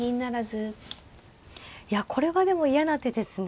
いやこれはでも嫌な手ですね。